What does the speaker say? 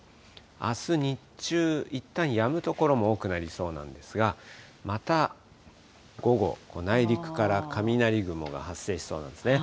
あす日中、いったんやむ所も多くなりそうなんですが、また午後、内陸から雷雲が発生しそうなんですね。